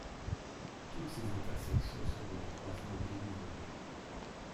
Toutes ses intersections seront des croisements dénivelés.